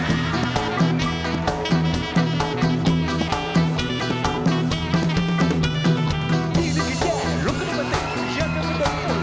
จะได้มีโคตรตัวด้วยฝั่งจริง